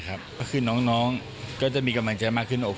ก็คือน้องก็จะมีกำลังใจมากขึ้น